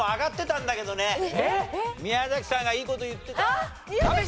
宮崎さんがいい事言ってた。